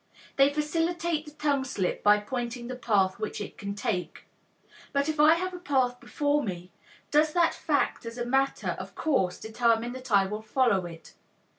They facilitate the tongue slip by pointing the path which it can take. But if I have a path before me, does that fact as a matter of course determine that I will follow it?